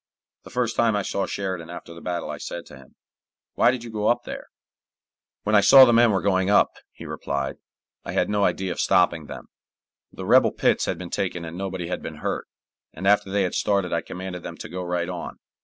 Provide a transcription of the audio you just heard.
The first time I saw Sheridan after the battle I said to him, "Why did you go up there?" "When I saw the men were going up," he replied, "I had no idea of stopping them; the rebel pits had been taken and nobody had been hurt, and after they had started I commanded them to go right on.